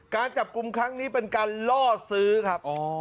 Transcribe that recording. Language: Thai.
การจับกลุ่มครั้งนี้เป็นการล่อซื้อครับ